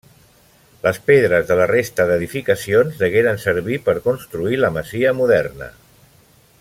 Les pedres de la resta d'edificacions degueren servir per construir la masia moderna.